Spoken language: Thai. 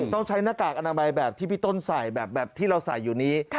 ต้องใช้หน้ากากอนามัยแบบที่พี่ต้นใส่แบบที่เราใส่อยู่นี้